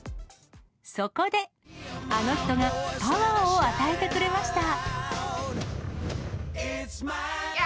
そこで、あの人が、パワーを与えてくれました。